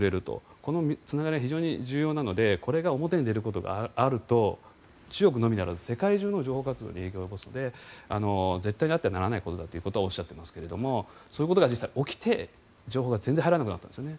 このつながりは非常に重要なのでこれが表に出ることがあると中国のみならず世界中の諜報活動に影響を及ぼすので絶対にあってはならないことだとおっしゃっていますけれどそういうことが実際に起きて情報が全然入らなくなったんですね。